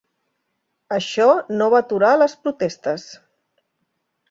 Això no va aturar les protestes.